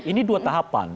ini dua tahapan